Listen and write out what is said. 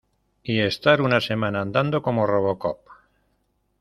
y estar una semana andando como Robocop.